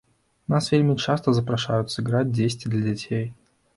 Нас вельмі часта запрашаюць сыграць дзесьці для дзяцей.